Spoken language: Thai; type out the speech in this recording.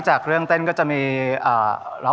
ใจมันเต้นมันเต้นเป็นจังหวะร้อน